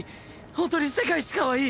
本当に世界一かわいい！